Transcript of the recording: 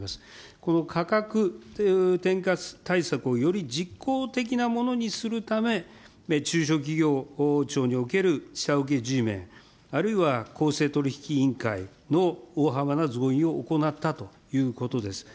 この価格転嫁対策をより実効的なものにするため、中小企業庁における下請けＧメン、あるいは公正取引委員会の大幅な増員を行ったということです。